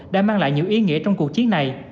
đã mang lại nhiều ý nghĩa trong cuộc chiến này